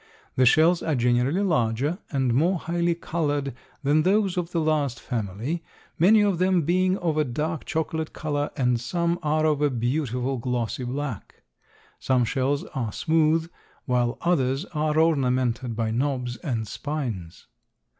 The shells are generally larger and more highly colored than those of the last family, many of them being of a dark chocolate color and some are of a beautiful glossy black; some shells are smooth, while others are ornamented by knobs and spines.